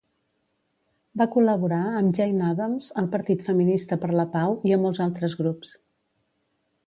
Va col·laborar amb Jane Addams al Partit Feminista per la Pau i a molts altres grups.